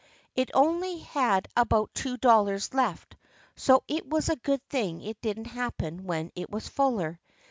It only had about two dollars left, so it was a good thing it didn't happen when it was fuller.